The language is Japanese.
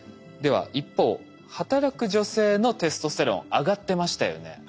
では一方働く女性のテストステロン上がってましたよね。